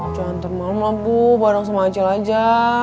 cuma ntar malem lah bu bareng sama acil aja